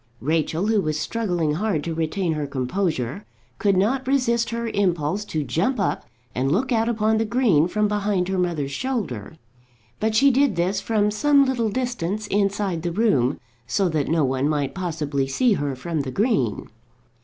Rachel, who was struggling hard to retain her composure, could not resist her impulse to jump up and look out upon the green from behind her mother's shoulder. But she did this from some little distance inside the room, so that no one might possibly see her from the green.